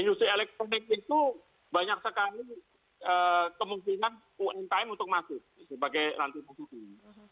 industri elektronik itu banyak sekali kemungkinan umkm untuk masuk sebagai nanti positif